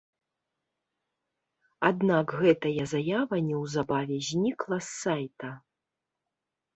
Аднак гэтая заява неўзабаве знікла з сайта.